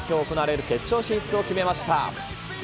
きょう行われる決勝進出を決めました。